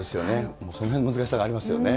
もうそのへんの難しさがありますよね。